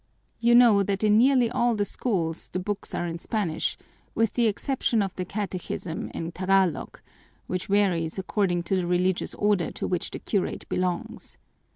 You know that in nearly all the schools the books are in Spanish, with the exception of the catechism in Tagalog, which varies according to the religious order to which the curate belongs.